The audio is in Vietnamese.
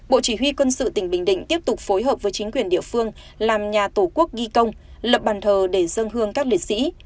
bộ chỉ huy quân sự tỉnh bình định tiếp tục phối hợp với chính quyền địa phương làm nhà tổ quốc ghi công lập bàn thờ để dân hương các liệt sĩ